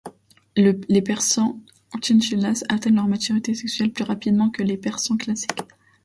Les persans chinchillas atteignent leur maturité sexuelle plus rapidement que les persans classiques.